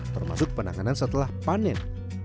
termasuk penanganan setelah panen